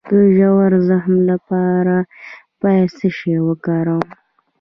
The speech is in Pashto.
د ژور زخم لپاره باید څه شی وکاروم؟